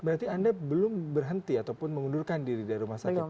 berarti anda belum berhenti ataupun mengundurkan diri dari rumah sakit